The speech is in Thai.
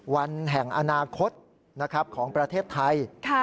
วันแห่งอนาคตของประเทศไทย